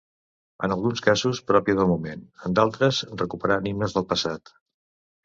En alguns casos pròpia del moment, en d’altres recuperant himnes del passat.